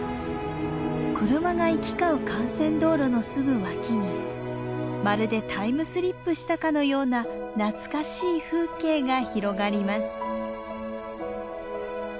車が行き交う幹線道路のすぐ脇にまるでタイムスリップしたかのような懐かしい風景が広がります。